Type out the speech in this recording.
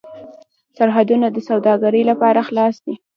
سرحدونه د سوداګرۍ لپاره خلاص دي.